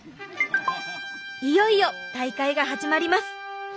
いよいよ大会が始まります。